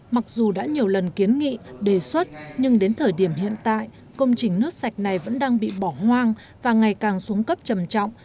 mặc dù đã nhiều lần kiến nghị đề xuất nhưng đến thời điểm hiện tại công trình nước sạch này vẫn đang bị bỏ hoang và ngày càng xuống cấp trầm trọng